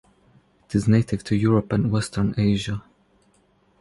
It is native to Europe and western Asia.